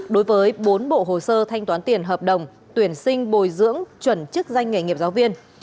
đối với bốn bộ hồ sơ thanh toán tiền hợp đồng tuyển sinh bồi dưỡng chuẩn chức danh nghề nghiệp giáo viên